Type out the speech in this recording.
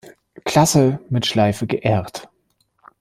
Klasse mit Schleife geehrt.